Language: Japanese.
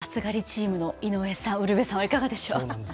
暑がりチームの井上さん、ウルヴェさんはいかがでしょう？